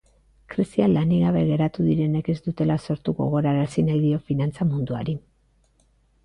Krisia lanik gabe geratu direnek ez dutela sortu gogorazi nahi dio finantza munduari.